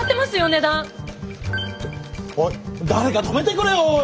ちょおい誰か止めてくれよおい！